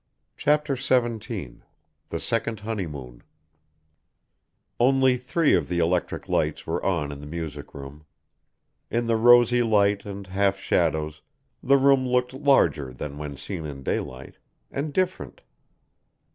CHAPTER XVII THE SECOND HONEYMOON Only three of the electric lights were on in the music room. In the rosy light and half shadows the room looked larger than when seen in daylight, and different.